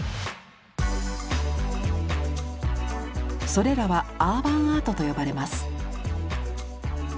それらは「アーバン・アート」と呼ばれます。